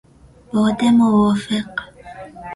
باد موافق